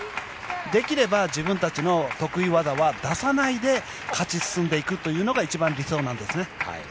できれば自分たちの得意技は出さないで勝ち進んでいくというのが一番理想なんですね。